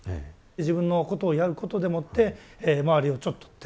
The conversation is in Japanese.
自分のことをやることでもって周りをちょっと照らす。